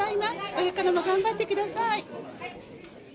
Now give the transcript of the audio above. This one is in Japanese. これからも頑張ってください。